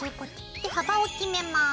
で幅を決めます。